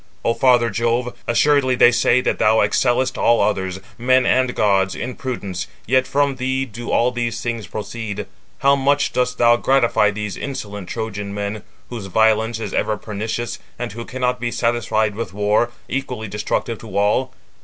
O father Jove, assuredly they say that thou excellest all others, men and gods, in prudence, yet from thee do all these things proceed. How much dost thou gratify these insolent Trojan men, whose violence is ever pernicious, and who cannot be satisfied with war, equally destructive to all!